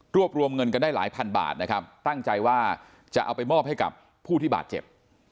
รวมรวมเงินกันได้หลายพันบาทนะครับตั้งใจว่าจะเอาไปมอบให้กับผู้ที่บาดเจ็บ